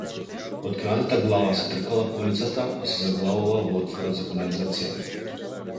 Откинатата глава се тркала по улицата и се заглавува во отворот за канализација.